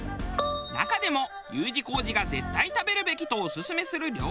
中でもＵ字工事が「絶対食べるべき」とオススメする料理が。